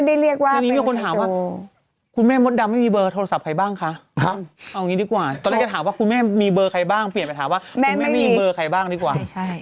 ทีนี้มีคนถามว่าคุณแม่มดดำไม่มีเบอร์โทรศัพท์ใครบ้างคะเอางี้ดีกว่าตอนแรกจะถามว่าคุณแม่มีเบอร์ใครบ้างเปลี่ยนไปถามว่าคุณแม่ไม่มีเบอร์ใครบ้างดีกว่า